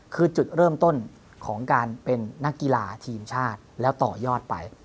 ของการเป็นนักกีฬาทีมชาติแล้วต่อยอดไป